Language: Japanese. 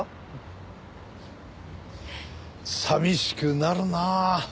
寂しくなるなあ。